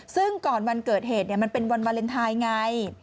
ซึ่งก่อนวันเกิดเหตุมันเป็นวันวาเลนไทยไง